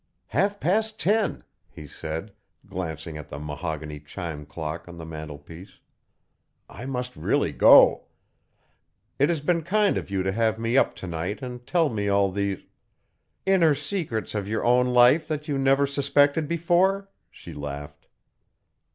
"Half past ten," he said, glancing at the mahogany chime clock on the mantelpiece. "I must really go. It has been kind of you to have me up to night and tell me all these " "Inner secrets of your own life that you never suspected before?" she laughed.